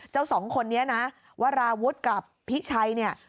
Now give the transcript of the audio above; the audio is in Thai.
สองคนนี้นะวราวุฒิกับพิชัยเนี่ย